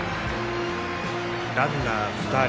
ランナー２人。